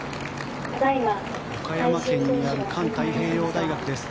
岡山県にある環太平洋大学です。